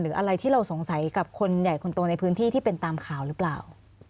อะไรที่เราสงสัยกับคนใหญ่คนโตในพื้นที่ที่เป็นตามข่าวหรือเปล่า